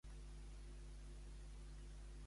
Com diuen que es comporta Tajani?